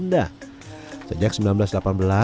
dan hanya didikmati oleh kawasan kawasan yang berbeda